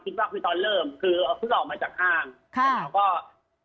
คิดว่าคือตอนเริ่มคือเอาเพิ่งออกมาจากห้างค่ะแล้วก็